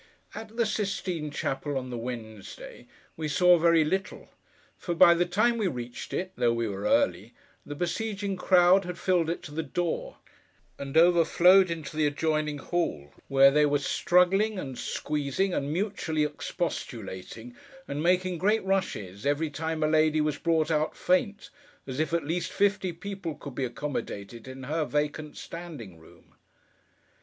At the Sistine chapel, on the Wednesday, we saw very little, for by the time we reached it (though we were early) the besieging crowd had filled it to the door, and overflowed into the adjoining hall, where they were struggling, and squeezing, and mutually expostulating, and making great rushes every time a lady was brought out faint, as if at least fifty people could be accommodated in her vacant standing room.